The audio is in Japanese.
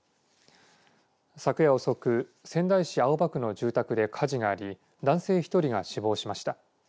昨夜遅く仙台市青葉区の住宅で火事があり男性１人が死亡しました。